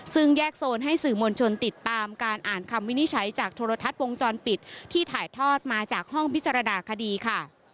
ซึ่งแยกโซนให้สื่อมวลชนติดตามการอ่านคำวินิจฉัยจากโทรทัศน์วงจรปิดที่ถ่ายทอดมาจากห้องพิจารณาคดีค่ะ